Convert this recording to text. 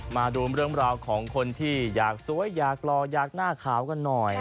มาดูเรื่องราวของคนที่อยากสวยอยากหล่ออยากหน้าขาวกันหน่อย